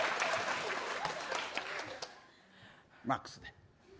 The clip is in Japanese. マックスね。